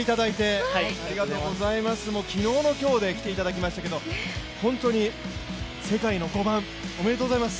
昨日の今日で来ていただきましたけど本当に世界の５番、ありがとうございます。